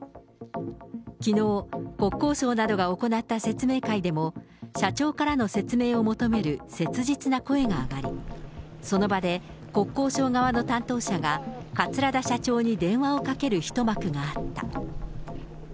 きのう、国交省などが行った説明会でも、社長からの説明を求める切実な声が上がり、その場で国交省側の担当者が、桂田社長に電話をかける一幕があった。